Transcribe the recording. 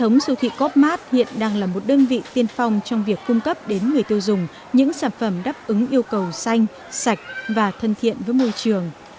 nắm bắt hiện đang là một đơn vị tiên phong trong việc cung cấp đến người tiêu dùng những sản phẩm đáp ứng yêu cầu xanh sạch và thân thiện với môi trường